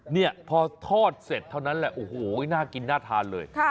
เนี่ยพอทอดเสร็จเท่านั้นแหละโอ้โหน่ากินน่าทานเลย